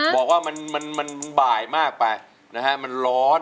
บอกว่ามันบ่ายมากไปนะฮะมันร้อน